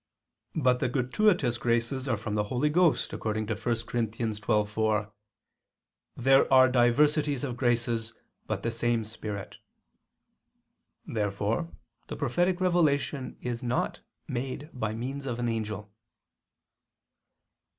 But the gratuitous graces are from the Holy Ghost, according to 1 Cor. 12:4, "There are diversities of graces, but the same Spirit." Therefore the prophetic revelation is not made by means of an angel.